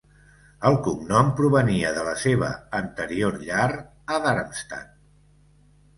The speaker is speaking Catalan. El cognom provenia de la seva anterior llar a Darmstadt.